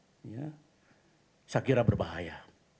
saya kira berbahaya